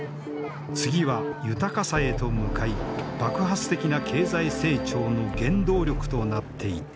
次は豊かさへと向かい爆発的な経済成長の原動力となっていった。